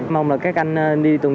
mong là các anh đi tuần tra cơ động